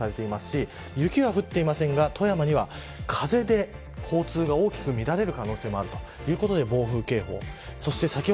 こういう情報が山形県にも発表されていますし雪は降っていませんが富山には、風で交通が大きく乱れる可能性もあるということで暴風警報。